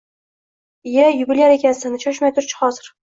lya, yubilyar ekansan-da, shoshmay tur-chi. hozir...